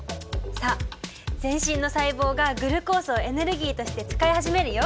さあ全身の細胞がグルコースをエネルギーとして使い始めるよ。